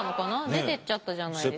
出てっちゃったじゃないですか。